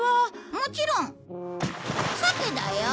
もちろん鮭だよ。